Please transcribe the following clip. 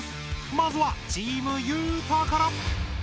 まずはチームゆうたから！